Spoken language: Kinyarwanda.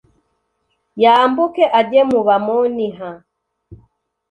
yambuke ajye mu Bamoni h